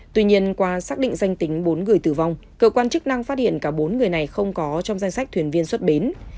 tuy nhiên qua xác định danh tính bốn người tử vong cơ quan chức năng phát hiện cả bốn người này không có trong danh sách thuyền viên xuất bến